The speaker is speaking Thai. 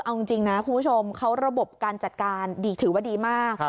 เอาจริงนะคุณผู้ชมเขาระบบการจัดการถือว่าดีมาก